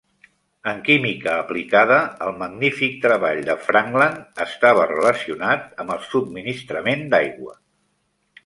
En química aplicada, el magnífic treball de Frankland estava relacionat amb el subministrament d'aigua.